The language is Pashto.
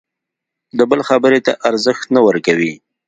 د بل خبرې ته ارزښت نه ورکوي.